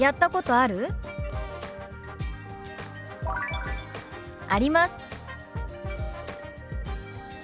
「あります」。